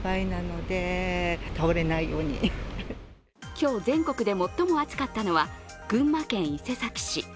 今日、全国で最も暑かったのは群馬県伊勢崎市。